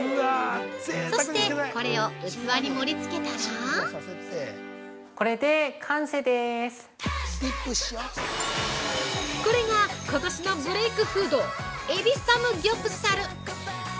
◆そして、これを器に盛り付けたら◆これがことしのブレイクフードエビサムギョプサル。